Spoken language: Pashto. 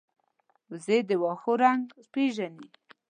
وزې د واښو رنګ پېژني